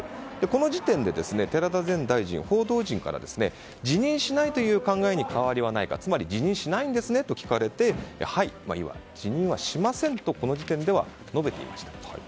この時点で、寺田前大臣は報道陣から辞任しないという考えに変わりはないかつまり辞任しないんですねと聞かれて、はい辞任はしませんとこの時点では述べていました。